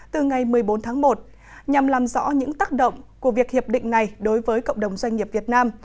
từ ngày một mươi bốn tháng một nhằm làm rõ những tác động của việc hiệp định này đối với cộng đồng doanh nghiệp việt nam